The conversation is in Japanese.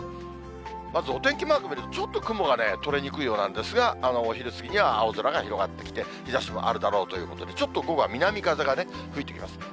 まずお天気マーク見ると、ちょっと雲がね、取れにくいようなんですが、お昼過ぎには青空が広がってきて、日ざしもあるだろうということで、ちょっと午後は南風が吹いてきます。